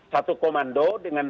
satu komando dengan